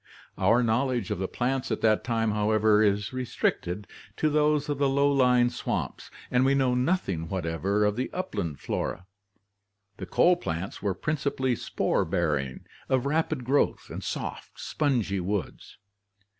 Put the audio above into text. Our knowledge of the plants of the time, however, is restricted to those of the low lying swamps and we know nothing whatever of the upland flora. The coal plants were principally spore bearing, of rapid growth, and soft, spongy woods.